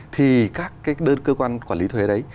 thì các cái đơn cơ quan quản lý thuế đấy